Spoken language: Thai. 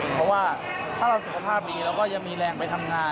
เพราะว่าถ้าเราสุขภาพดีเราก็ยังมีแรงไปทำงาน